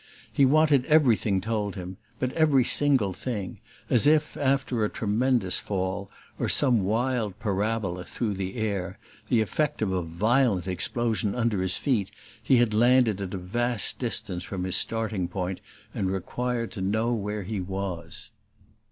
He wanted everything told him but every single thing; as if, after a tremendous fall, or some wild parabola through the air, the effect of a violent explosion under his feet, he had landed at a vast distance from his starting point and required to know where he was.